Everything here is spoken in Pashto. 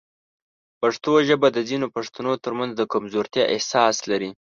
پښتو ژبه د ځینو پښتنو ترمنځ د کمزورتیا احساس لري.